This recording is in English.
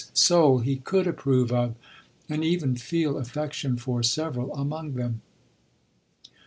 soul, he could approve of, and even feel affec tion for several among them.